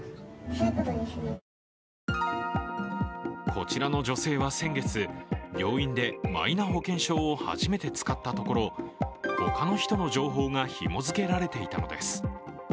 こちらの女性は先月病院でマイナ保険証を初めて使ったところ、他の人の情報がひも付けられていたのです。